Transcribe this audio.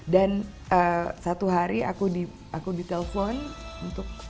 dan satu hari aku ditelepon untuk